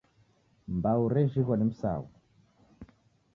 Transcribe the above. Mbau rejighwa ni msaghu.